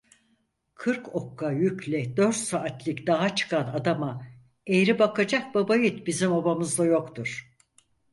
Kırk okka yükle dört saatlik dağa çıkan adama eğri bakacak babayiğit bizim obamızda yoktur.